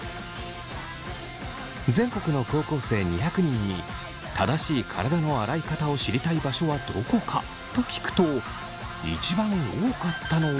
全国の高校生２００人に正しい体の洗い方を知りたい場所はどこか？と聞くと一番多かったのは。